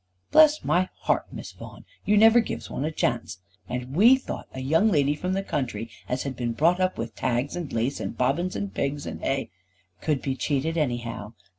"Bless my heart, Miss Vaughan. You never gives one a chance. And we thought a young lady from the country as had been brought up with tags, and lace, and bobbin, and pigs, and hay " "Could be cheated anyhow.